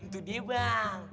tuh dia bang